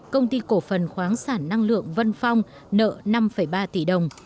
công ty cổ phần khoáng sản năng lượng vân phong nợ năm ba tỷ đồng